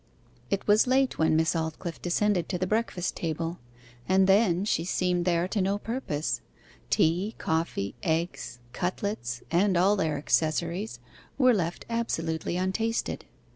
It was late when Miss Aldclyffe descended to the breakfast table and then she seemed there to no purpose; tea, coffee, eggs, cutlets, and all their accessories, were left absolutely untasted.